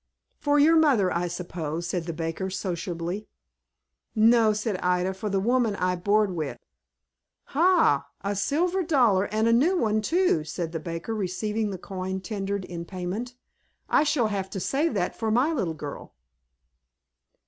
"For your mother, I suppose," said the baker, sociably. "No," said Ida; "for the woman I board with." "Ha! a silver dollar, and a new one, too," said the baker, receiving the coin tendered in payment. "I shall have to save that for my little girl."